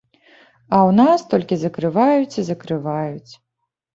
А ў нас толькі закрываюць і закрываюць.